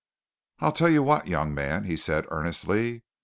"I'll tell you what, young man!" he said earnestly.